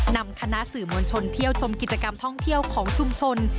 นำคณะสื่อมวลชนเที่ยวชมกิจกรรมท่องเที่ยวของชุมชน